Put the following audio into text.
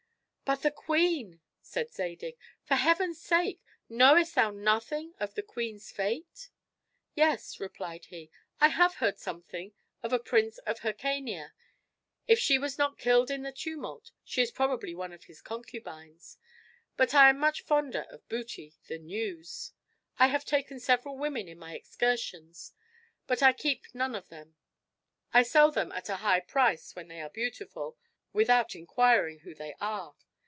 "But the queen," said Zadig; "for heaven's sake, knowest thou nothing of the queen's fate?" "Yes," replied he, "I have heard something of a prince of Hircania; if she was not killed in the tumult, she is probably one of his concubines; but I am much fonder of booty than news. I have taken several women in my excursions; but I keep none of them. I sell them at a high price, when they are beautiful, without inquiring who they are.